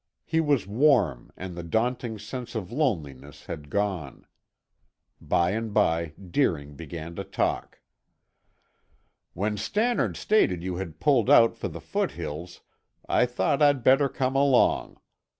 He was warm and the daunting sense of loneliness had gone. By and by Deering began to talk. "When Stannard stated you had pulled out for the foothills I thought I'd better come along.